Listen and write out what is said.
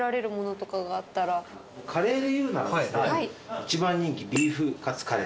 カレーで言うならですね一番人気ビーフカツカレー。